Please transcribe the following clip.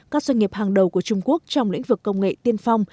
các doanh nghiệp hàng đầu của trung quốc trong lĩnh vực công nghệ tiên phong